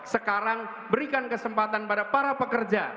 sekarang berikan kesempatan pada para pekerja